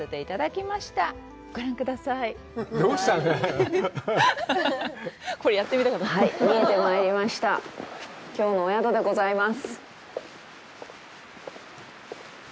きょうのお宿でございます。